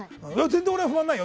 俺は不安ないよ。